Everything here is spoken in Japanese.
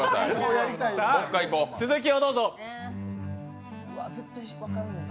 続きをどうぞ。